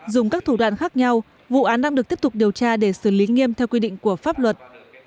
dùng các thủ đoạn khác nhau vụ án đang được tiếp tục điều tra để xử lý nghiêm theo quy định của pháp luật